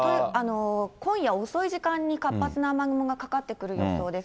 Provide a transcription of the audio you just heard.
今夜遅い時間に活発な雨雲がかかってくる予想です。